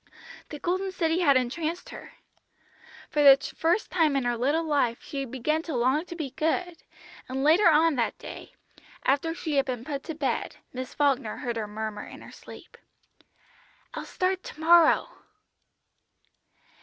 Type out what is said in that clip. The Golden City had entranced her. For the first time in her little life she began to long to be good, and later on that day, after she had been put to bed, Miss Falkner heard her murmur in her sleep "I'll start to morrow!"